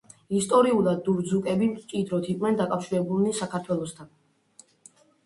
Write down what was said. ისტორიულად დურძუკები მჭიდროდ იყვნენ დაკავშირებულნი საქართველოსთან.